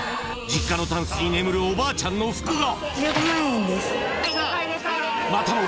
実家のタンスに眠るおばあちゃんの服が。